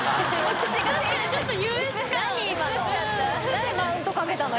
覆鵑マウントかけたの？